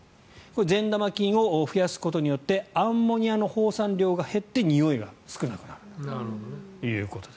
善玉菌を増やすことによってアンモニアの放散量が減ってにおいが少なくなるということです。